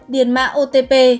điền mã otp